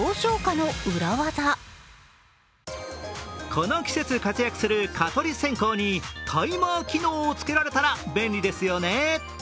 この季節、活躍する蚊取り線香にタイマー機能をつけられたら便利ですよね。